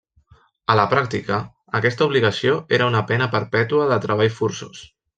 A la pràctica, aquesta obligació era una pena perpètua de treball forçós.